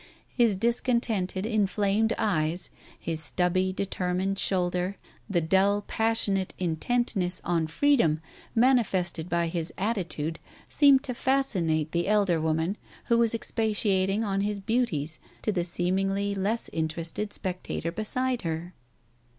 His discontented, inflamed eyes, his stubby, determined shoulder, the dull, passionate tntentness on freedom manifested by his attitude seemed to fascinate^he elder woman, who was expatiating on his beauties to the seem ingly less interested spectator beside her.